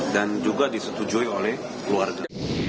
dan juga disetujui oleh keluarga